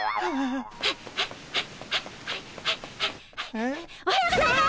えっ？おはようございます！